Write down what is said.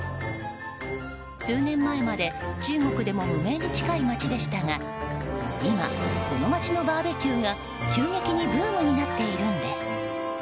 数年前まで中国でも無名に近い街でしたが今、この街のバーベキューが急激にブームになっているんです。